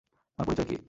তোমার পরিচয় কি?